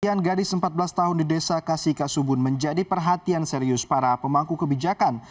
perhatian gadis empat belas tahun di desa kasih kasubun menjadi perhatian serius para pemangku kebijakan